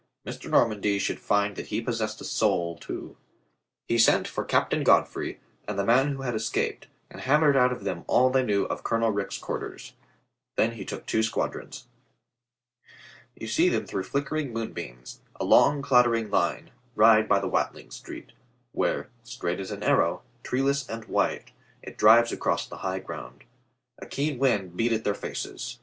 Mr. Normandy should find that he possessed a soul, too. He sent for Captain Godfrey and the man who had escaped, and hammered out of them all they knew of Colonel Rich's quarters. Then he took two squadrons. You see them through flickering moonbeams, a long clattering line, ride by the Watling Street, where, straight as an arrow, treeless and white, it drives across the high ground. A keen wind beat at their faces.